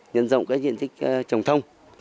nhân rộng cái diện tích trồng thông